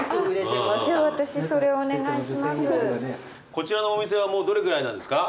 こちらのお店はどれぐらいなんですか？